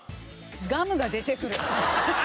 ガムが出てくる。